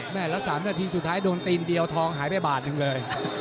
ละ๓นาทีสุดท้ายโดนตีนเดียวทองหายไปบาทหนึ่งเลย